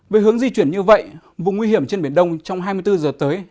về hướng di chuyển như vậy vùng nguy hiểm trên biển đông trong hai mươi bốn giờ tới